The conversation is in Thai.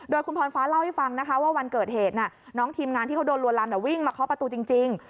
โดยคุณพรฟ้าเล่าให้ฟังนะคะว่าวันเกิดเหตุน้องทีมงานที่เขาโดนลวนลำวิ่งมาเคาะประตูจริง